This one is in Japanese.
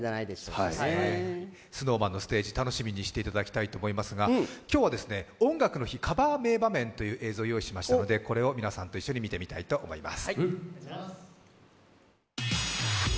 ＳｎｏｗＭａｎのステージ楽しみにしていただきたいと思いますが今日は「音楽の日」カバー名場面という映像をご用意しましたのでこれを皆さんと一緒に見てみたいと思います。